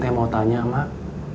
aanu mau tanya emak